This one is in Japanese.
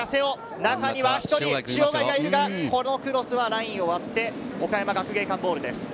中には塩貝がいるが、このクロスはラインを割って、岡山学芸館ボールです。